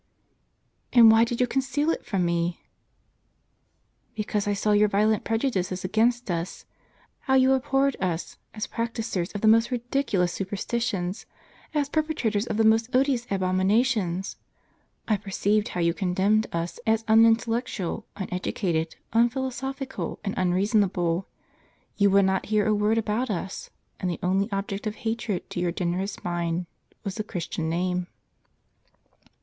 " And why did you conceal it from me ?" "Because I saw your violent prejudices against us; how you abhorred us as practisers of the most ridiculous supersti tions, as perpetrators of the most odious abominations. I per ceived how you contemned us as unintellectual, uneducated, unphilosophical, and unreasonable. You would not hear a word about us ; and the only object of hatred to your generous mind was the Christian name."